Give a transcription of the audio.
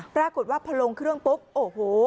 ปรากฏว่าพอลงเครื่องปุ๊บโอ้โห